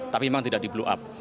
tapi memang tidak di blow up